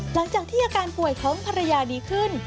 หลังจากที่อาการป่วยของภรรยาดีขึ้น